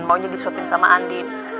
maunya disuapin sama andin